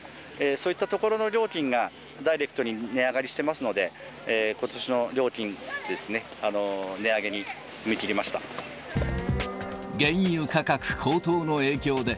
そういったところの料金がダイレクトに値上がりしてますので、ことしの料金ですね、原油価格高騰の影響で、